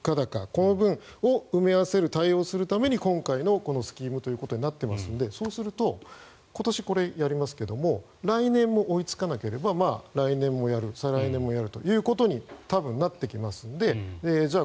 この分を埋め合わせる対応するために今回のスキームということになっていますのでそうすると今年これをやりますけど来年も追いつかなければ来年もやる再来年もやるということに多分なってきますのでじゃあ